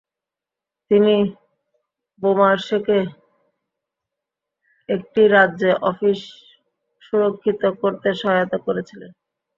তিনি বোমার্শেকে একটি রাজ্য অফিস সুরক্ষিত করতে সহায়তা করেছিলেন।